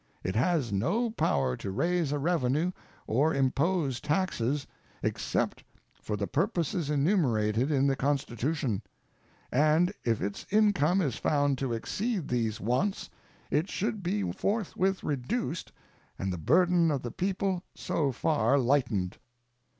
It has no power to raise a revenue or impose taxes except for the purposes enumerated in the Constitution, and if its income is found to exceed these wants it should be forthwith reduced and the burden of the people so far lightened.